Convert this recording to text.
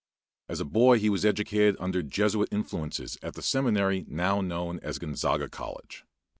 As a boy he was educated under Jesuit influences at the seminary now known as Gonzaga College.